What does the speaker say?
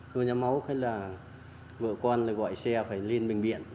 nôn nha máu cái là vợ con gọi xe phải lên bệnh viện